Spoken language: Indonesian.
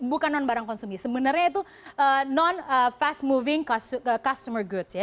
bukan non barang konsumsi sebenarnya itu non fast moving customer goods ya